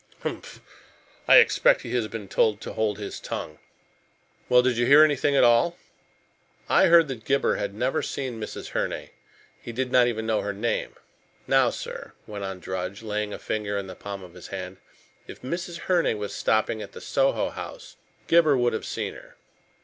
"Humph! I expect he has been told to hold his tongue. Well, did you hear anything at all?" "I heard that Gibber had never seen Mrs. Herne. He did not even know her name. Now, sir," went on Drudge, laying a finger in the palm of his hand, "if Mrs. Herne was stopping at the Soho house, Gibber would have seen her."